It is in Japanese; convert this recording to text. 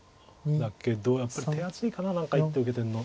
だけどやっぱり手厚いかな何か１手受けてるの。